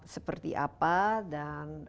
seperti apa dan